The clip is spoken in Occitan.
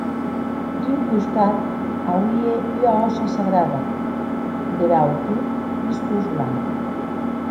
D’un costat auie ua hòssa sagrada; der aute uns peus blanqui.